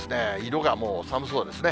色がもう寒そうですね。